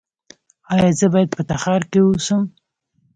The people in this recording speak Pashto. ایا زه باید په تخار کې اوسم؟